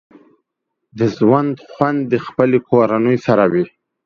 د ژوند خوند د خپلې کورنۍ سره وي